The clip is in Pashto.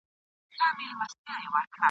انګرېزی لښکر ماته خوري.